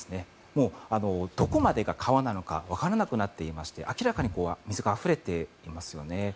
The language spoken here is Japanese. もうどこまでが川なのかわからなくなっていまして明らかに水があふれていますよね。